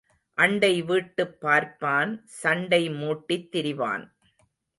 அண்டை வீட்டுப் பார்ப்பான் சண்டை மூட்டித் திரிவான்.